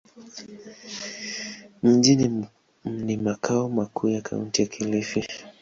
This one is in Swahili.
Mji ni makao makuu ya Kaunti ya Kilifi.